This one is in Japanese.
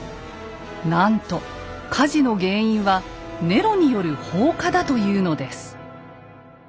なんと火事の原因はネロによる放火だというのです。